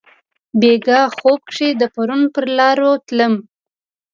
بیګاه خوب کښي د پرون پرلارو تلمه